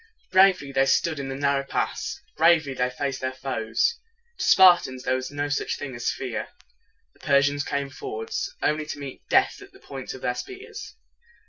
Bravely they stood in the narrow pass. Bravely they faced their foes. To Spartans there was no such thing as fear. The Persians came forward, only to meet death at the points of their spears.